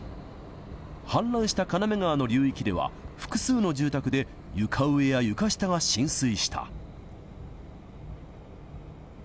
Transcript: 氾濫した金目川の流域では、複数の住宅で床上や床下が浸水した。